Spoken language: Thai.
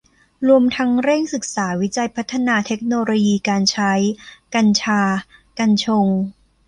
รวมทั้งเร่งศึกษาวิจัยพัฒนาเทคโนโลยีการใช้ กัญชา กัญชง